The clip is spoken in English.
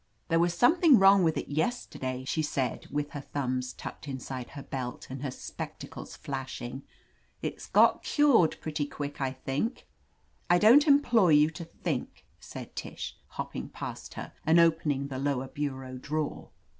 'There was something wrong witH it yes 158 LETITIA CARBERRY terday," she said, with her thumbs tucked inside her belt and her spectacles flashing. "It's got cured pretty quick, I think." "I don't employ you to think," said Tish, hopping past her and opening the lower bu reau drawer.